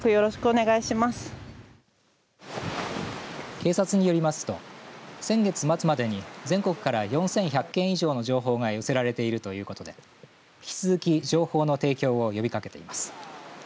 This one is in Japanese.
警察によりますと先月末までに全国から４１００件以上の情報が寄せられているということで引き続き情報の提供を呼びかけています。